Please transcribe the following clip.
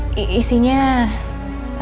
isinya cerita soal andin sama roy dulu tante